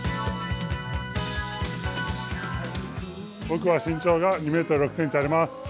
僕は身長が２ｍ６ｃｍあります。